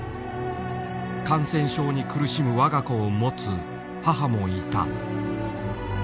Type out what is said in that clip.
感染症に苦しむ我が子を持つ母もいた。